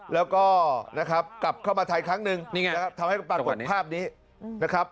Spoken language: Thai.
แล้วก็นะครับกลับเข้ามาไทยครั้งหนึ่งนี่ไงนะครับทำให้ปรากฏภาพนี้นะครับ